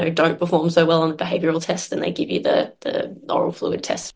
maka mereka memberikan tes oral fluid